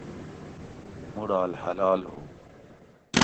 مُڑال حلال ھو